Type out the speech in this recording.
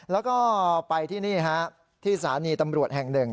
แล้วก็ไปที่นี่ฮะที่สถานีตำรวจแห่งหนึ่ง